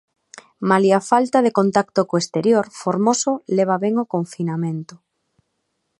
Malia a falta de contacto co exterior, Formoso leva ben o confinamento.